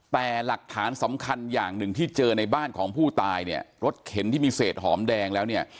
แต่หลักฐานสำคัญอย่างหนึ่งที่เจอในบ้านของผู้ตายเนี่ยรถเข็นที่มีเศษหอมแดงแล้วเนี่ย